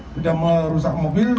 sudah merusak mobil